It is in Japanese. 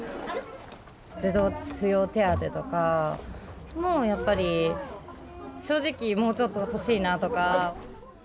児童扶養手当とかも、やっぱり、正直、もうちょっと欲しいなとか。